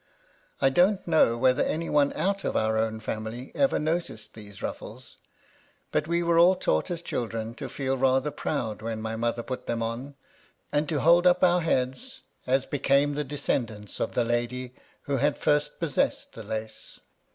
I don't know whether any one out of our own family ever noticed these ruffles, — but we were all taught as children to feel rather proud when my mother put them on, and to hold up our heads as became the descend ants of the lady who had first possessed the lace.